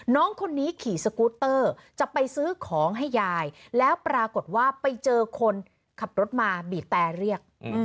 น้องคนนี้ขี่สกูตเตอร์จะไปซื้อของให้ยายแล้วปรากฏว่าไปเจอคนขับรถมาบีบแต่เรียก